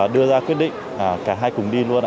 đưa ra quyết định cả hai cùng đi luôn